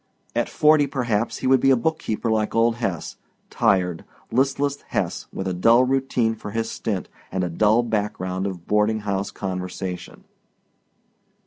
At forty, perhaps, he would be a bookkeeper like old Hesse, tired, listless Hesse with a dull routine for his stint and a dull background of boarding house conversation.